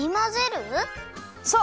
そう！